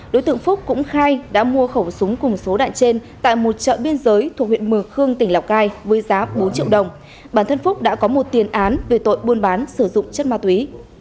đối tượng phúc cũng khai đã mua khẩu súng cùng số đạn trên tại một chợ biên giới thuộc huyện mường khương tỉnh lào cai với giá bốn triệu đồng bản thân phúc đã có một tiền án về tội buôn bán sử dụng chất ma túy